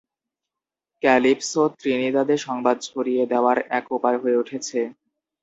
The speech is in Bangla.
ক্যালিপসো ত্রিনিদাদে সংবাদ ছড়িয়ে দেওয়ার এক উপায় হয়ে উঠেছে।